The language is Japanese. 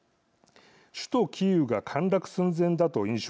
首都キーウが陥落寸前だと印象